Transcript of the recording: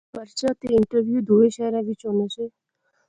پرچہ تے انٹرویو دووے شہرے وچ ہونے سے